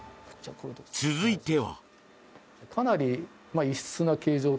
続いては。